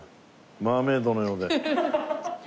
マーメイドのようで。